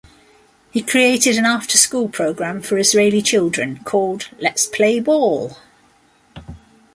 He created an after-school program for Israeli children, called Let's Play Ball!